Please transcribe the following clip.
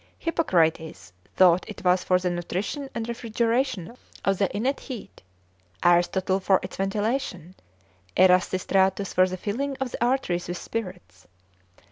Hippocrates thought it was for the nutrition and refrigeration of the innate heat, Aristotle for its ventilation, Erasistratus for the filling of the arteries with spirits.